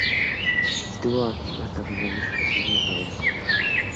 Estuvo activo hasta finales de los años noventa.